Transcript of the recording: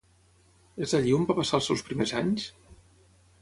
És allí on va passar els seus primers anys?